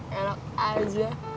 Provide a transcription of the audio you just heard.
eh enak aja